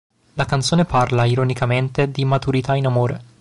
La canzone parla ironicamente di immaturità in amore.